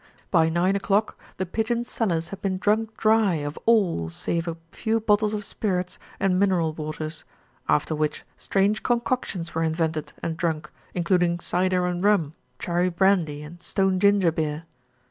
By nine o'clock The Pigeons' cellars had been drunk dry of all save a few bottles of spirits and mineral waters, after which strange concoctions were invented and drunk, including cider and rum, cherry brandy and stone ginger beer.